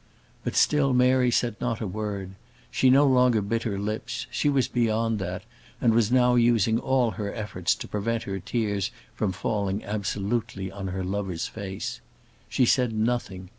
But still Mary said not a word. She no longer bit her lips; she was beyond that, and was now using all her efforts to prevent her tears from falling absolutely on her lover's face. She said nothing.